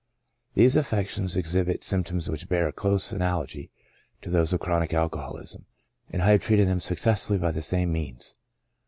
These affections ex hibit symptoms which bear a close analogy to those of chronic alcoholism, and I have treated them successfully by the same means.